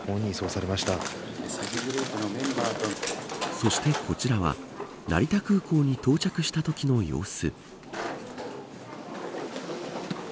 そしてこちらは成田空港に到着したときの様子。